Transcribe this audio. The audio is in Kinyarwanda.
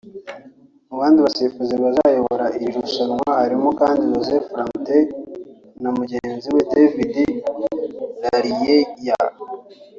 Mu bandi basifuzi bazayobora iri rushanwa harimo kandi Joseph Lamptey na mugenzi we David Laryea